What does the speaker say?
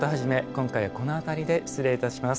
今回はこの辺りで失礼いたします。